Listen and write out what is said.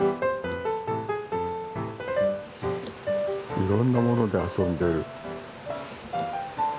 いろんなもので遊んでる。